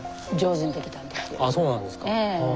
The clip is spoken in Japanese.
ああそうなんですか。